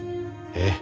ええ。